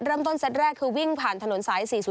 เริ่มต้นเซ็ตแรกคือวิ่งผ่านถนนสาย๔๐๘